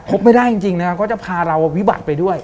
ครบไม่ได้จริงก็จะพาเราวิบัติไปด้วย